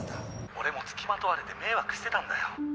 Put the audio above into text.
「俺も付きまとわれて迷惑してたんだよ。